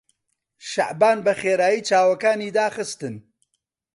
شەعبان بەخێرایی چاوەکانی داخستن.